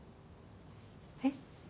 えっ？